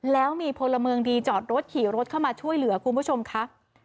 แล้วมีพลเมืองดีจอดรถขี่รถเข้ามาช่วยเหลือคุณผู้ชมค่ะ